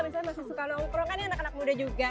misalnya masih suka nongkrong kan ini anak anak muda juga